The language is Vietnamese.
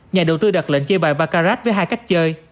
nhà đầu tư đặt lệnh chơi bài bakarad với hai cách chơi